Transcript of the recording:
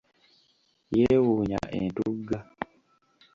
Yeewunnya entugga.